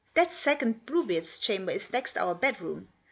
That second Bluebeard's chamber is next our bedroom.